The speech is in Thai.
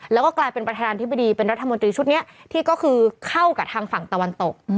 แล้วก็กลายเป็นประธานาธิบดีเป็นรัฐมนตรีชุดนี้ที่ก็คือเข้ากับทางฝั่งตะวันตก